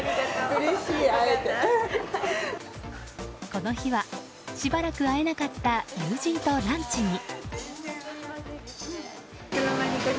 この日はしばらく会えなかった友人とランチに。